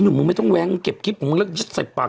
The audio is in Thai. นุ่มมึงไม่ต้องแวงเก็บคลิปมึงเลิกใส่ปาก